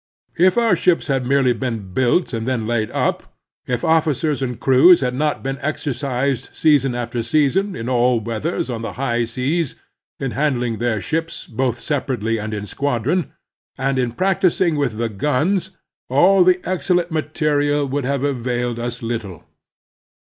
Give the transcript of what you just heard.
If our ships had merely been built and then laid up, if officers and crews had not been exercised season after season in all weathers on the high seas in handling their ships both sepa rately and in squadron, and in practising with the guns, all the excellent material would have availed us little.